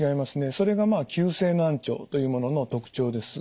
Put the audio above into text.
それがまあ急性難聴というものの特徴です。